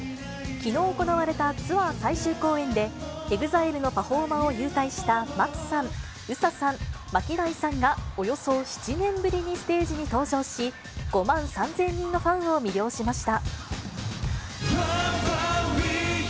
きのう行われたツアー最終公演で、ＥＸＩＬＥのパフォーマーを勇退したマツさん、ＵＳＡさん、ＭＡＫＩＤＡＩさんがおよそ７年ぶりにステージに登場し、５万３０００人のファンを魅了しました。